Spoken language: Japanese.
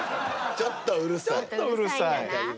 ちょっとうるさい。